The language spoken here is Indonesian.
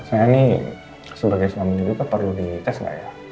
saya ini sebagai suami juga perlu dites nggak ya